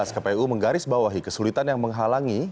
kpu menggaris bawahi kesulitan yang menghalangi